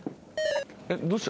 どうした？